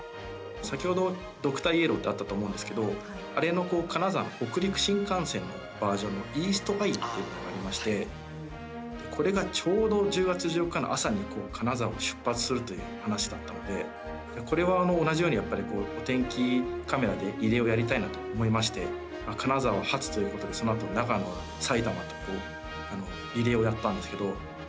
先ほどドクターイエローってあったと思うんですけどあれの金沢の北陸新幹線のバージョンのイーストアイっていうのがありましてこれがちょうど１０月１４日の朝に、金沢を出発するという話だったのでこれは同じようにやっぱり、お天気カメラでリレーをやりたいなと思いまして金沢発ということでそのあと長野、さいたまとリレーをやったんですけど。